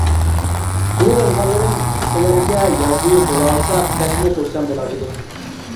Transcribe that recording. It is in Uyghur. بۇ يازغانلىرىم سىلەرگە ياردىمى بولالىسا بەكمۇ خۇرسەن بولار ئىدىم.